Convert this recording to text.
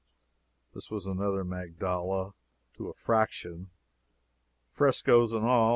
This was another Magdala, to a fraction, frescoes and all.